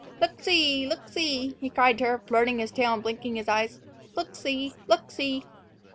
"Look see! look see!" he cried to her, flirting his tail and blinking his eyes. "Look see! look see!"